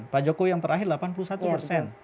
pak jokowi yang terakhir delapan puluh satu persen